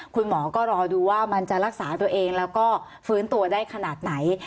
คุณหมอก็รอดูว่ามันจะรักษาตัวเองแล้วก็ฟื้นตัวได้ขนาดไหน